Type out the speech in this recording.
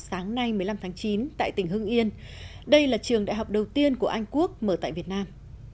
sáng nay một mươi năm tháng chín tại tỉnh hưng yên đây là trường đại học đầu tiên của anh quốc mở tại việt nam